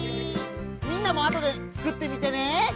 みんなもあとでつくってみてね！